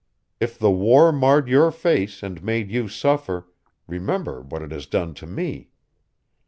If the war marred your face and made you suffer, remember what it has done to me.